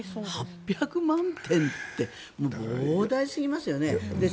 ８００万点って膨大すぎますよね。